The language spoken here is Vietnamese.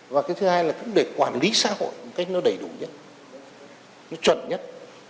và cái thứ hai là cũng để quản lý xã hội một cách nó đầy đủ nhất nó chuẩn nhất